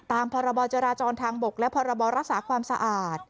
ตามพรบจราจรทางบกและพรบรักษาความสะอาด